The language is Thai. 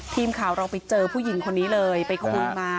ทีมข่าวเราไปเจอผู้หญิงคนนี้เลยไปคุยมา